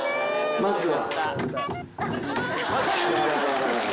まずは。